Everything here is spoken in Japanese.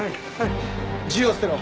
銃を捨てろ。